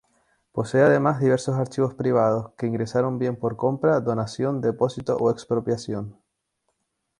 Posee además diversos archivos privados, que ingresaron bien por compra, donación, depósito o expropiación.